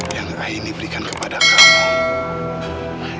yang akhirnya diberikan kepada kamu